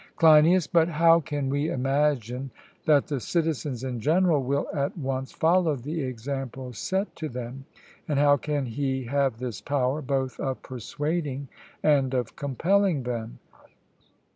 CLEINIAS: But how can we imagine that the citizens in general will at once follow the example set to them; and how can he have this power both of persuading and of compelling them?